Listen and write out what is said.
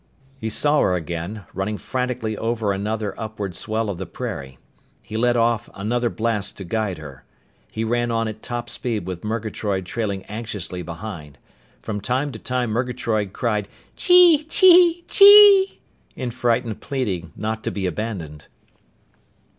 He saw her again, running frantically over another upward swell of the prairie. He let off another blast to guide her. He ran on at top speed with Murgatroyd trailing anxiously behind. From time to time Murgatroyd called "Chee chee chee!" in frightened pleading not to be abandoned.